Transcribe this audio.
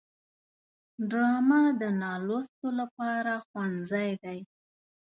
ډرامه د نالوستو لپاره ښوونځی دی